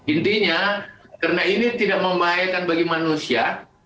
intinya karena ini tidak membahayakan bagi manusia